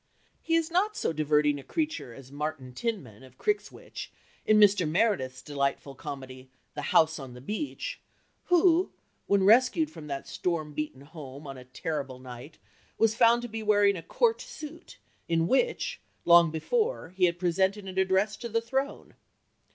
He is not so diverting a creature as Martin Tinman of Crikswich in Mr. Meredith's delightful comedy The House on the Beach, who, when rescued from that storm beaten home on a terrible night, was found to be wearing the Court suit in which, long before, he had presented an address to the throne!